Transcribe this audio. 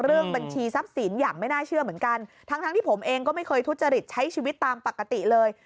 บัญชีทรัพย์สินอย่างไม่น่าเชื่อเหมือนกันทั้งทั้งที่ผมเองก็ไม่เคยทุจริตใช้ชีวิตตามปกติเลย